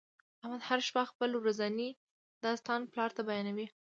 احمد هر شپه خپل ورځنی داستان پلار ته بیانوي.